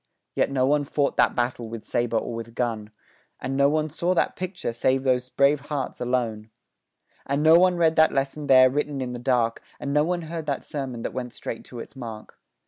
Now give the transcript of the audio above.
Yet no one fought that battle with saber or with gun, And no one saw that picture, save those brave hearts alone, And no one read that lesson there written in the dark, And no one heard that sermon that went straight to its mark.